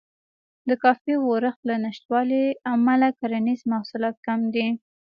د کافي ورښت له نشتوالي امله کرنیز محصولات کم دي.